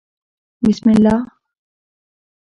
بسم الله